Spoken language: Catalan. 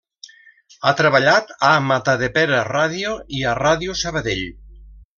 Ha treballat a Matadepera Ràdio i a Ràdio Sabadell.